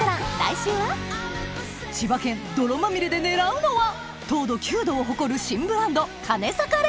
千葉県泥まみれで狙うのは糖度９度を誇る新ブランド金坂蓮魂！